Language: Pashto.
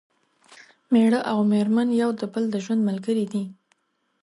مېړه او مېرمن یو د بل د ژوند ملګري دي